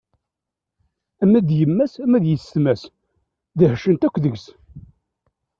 Ama d yemma-s, ama d yessetma-s, dehcent akk deg-s.